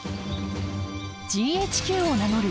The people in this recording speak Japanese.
ＧＨＱを名乗る